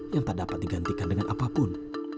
yang tak dapat digantikan dengan apapun